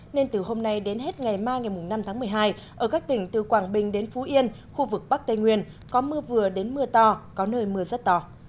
nên từ hôm nay đến hết ngày mai ngày năm tháng một mươi hai ở các tỉnh từ quảng bình đến phú yên khu vực bắc tây nguyên có mưa vừa đến mưa to có nơi mưa rất to